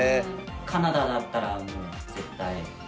カナダだったらもう絶対。